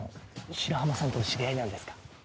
白浜さんとお知り合いなんですか？